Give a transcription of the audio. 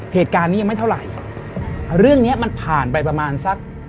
เหตุการณ์นี้ยังไม่เท่าไหร่ครับเรื่องเนี้ยมันผ่านไปประมาณสัก